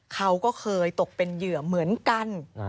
เขาก็เคยตกเป็นเหยื่อเหมือนกัน